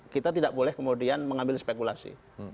kita tidak boleh kemudian mengambil spekulasi